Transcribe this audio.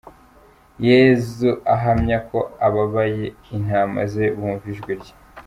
Yesu ahamya ko ababaye intama ze bumva ijwi rye.